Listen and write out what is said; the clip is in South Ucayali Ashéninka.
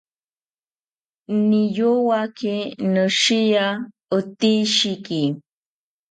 Niyowaki noshiya otishiki